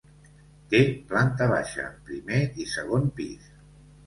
Té planta baixa, primer i segon pis.